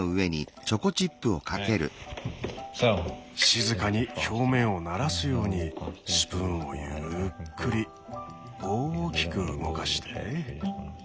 静かに表面をならすようにスプーンをゆっくり大きく動かして。